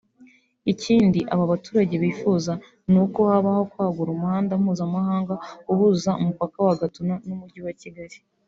Ikindi abo baturage bifuza ni uko habaho kwagura umuhanda mpuzamahanga uhuza umupaka wa Gatuna n’umujyi wa Kigali